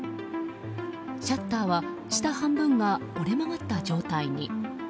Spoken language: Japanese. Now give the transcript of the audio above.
シャッターは下半分が折れ曲がった状態に。